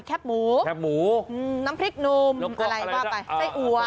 แคบหมูน้ำพริกนุ่มไส้อัว